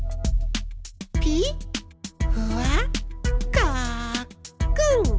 ピッふわっかっくん。